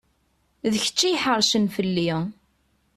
D kečč i iḥeṛcen fell-i.